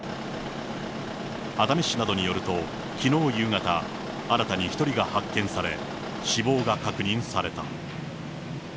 熱海市などによると、きのう夕方、新たに１人が発見され、死亡が確認された。